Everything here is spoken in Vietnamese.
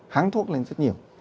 kháng thuốc lên rất nhiều